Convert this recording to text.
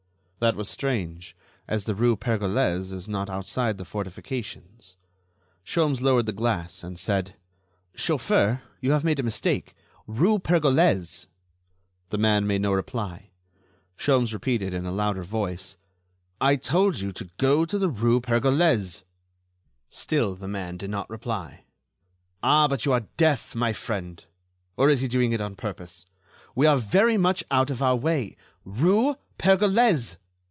That was strange, as the rue Pergolese is not outside the fortifications. Sholmes lowered the glass, and said: "Chauffeur, you have made a mistake.... Rue Pergolese!" The man made no reply. Sholmes repeated, in a louder voice: "I told you to go to the rue Pergolese." Still the man did not reply. "Ah! but you are deaf, my friend. Or is he doing it on purpose? We are very much out of our way.... Rue Pergolese!...